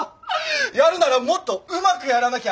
やるならもっとうまくやらなきゃ。